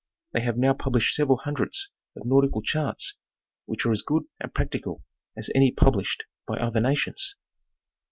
They have now published several hundreds of nautical charts, which are as good and practical as any published by other nations.